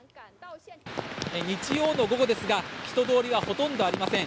日曜の午後ですが人通りはほとんどありません。